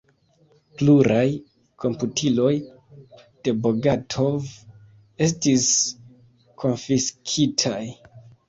Pluraj komputiloj de Bogatov estis konfiskitaj.